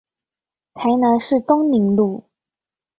台南市東寧路